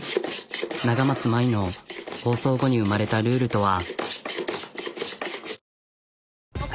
永松真依の放送後に生まれたルールとは。